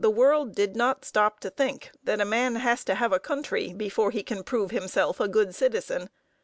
The world did not stop to think that a man has to have a country before he can prove himself a good citizen.